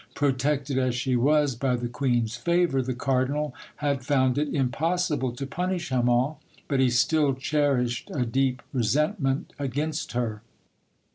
Protected as she was by the queen's favour, the cardinal had found it impossible to punish Hammon, but he still cherished a deep resentment against her.